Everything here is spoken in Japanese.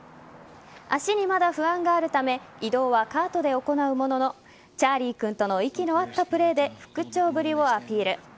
足にまだ不安があるため移動はカートで行うもののチャーリー君との息の合ったプレーで復調ぶりをアピール。